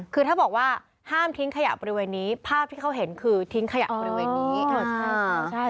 คือถ้าบอกว่าห้ามทิ้งขยะบริเวณนี้ภาพที่เขาเห็นคือทิ้งขยะบริเวณนี้